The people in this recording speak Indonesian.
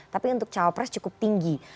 tapi untuk cawapres cukup tinggi